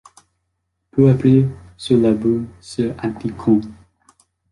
Peu après, sort l'album ' sur anticon.